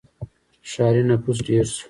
• ښاري نفوس ډېر شو.